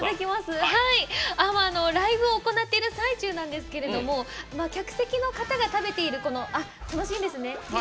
ライブを行っている最中なんですけど客席の方が食べているこのシーンですね。